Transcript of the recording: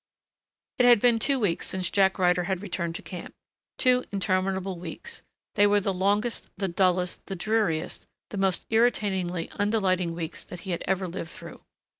It had been two weeks since Jack Ryder had returned to camp. Two interminable weeks. They were the longest, the dullest, the dreariest, the most irritatingly undelighting weeks that he had ever lived through.